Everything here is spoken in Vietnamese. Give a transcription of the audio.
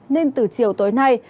nên từ chiều tối nay